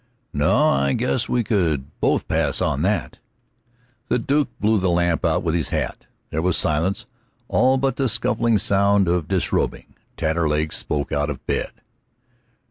"No; I guess we could both pass on that." The Duke blew the lamp out with his hat. There was silence, all but the scuffing sound of disrobing. Taterleg spoke out of bed.